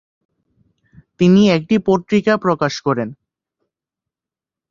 তিনি একটি পত্রিকা প্রকাশ করেন।